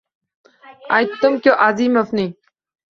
— Aytdim-ku, Azimovning…